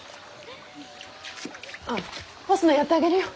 あっ干すのやってあげるよ。